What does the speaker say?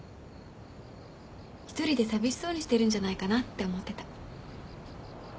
独りで寂しそうにしてるんじゃないかなって思ってた。